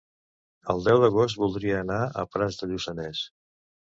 El deu d'agost voldria anar a Prats de Lluçanès.